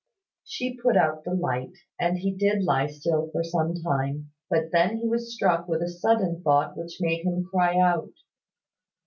She put out the light, and he did lie still for some time; but then he was struck with a sudden thought which made him cry out.